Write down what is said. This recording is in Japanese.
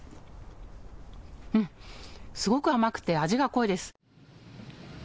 すごく甘くて味が濃いです。